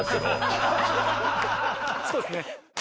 そうですね。